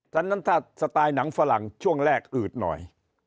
ฉะนั้นถ้าสไตล์หนังฝรั่งช่วงแรกอืดหน่อย